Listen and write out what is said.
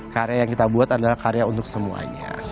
karya yang kita buat adalah karya untuk semuanya